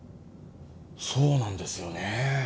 そうなんですよねえ。